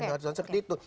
dan harusnya seperti itu